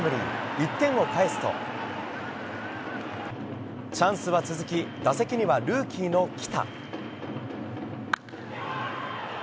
１点を返すと、チャンスは続き打席にはルーキーの来田。